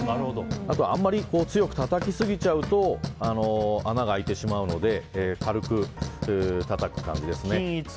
あとは、あんまり強くたたきすぎちゃうと穴が開いてしまうので軽くたたく感じですね。